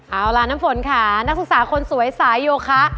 เอาล่ะน้ำฝนค่ะนักศึกษาคนสวยสายโยคะ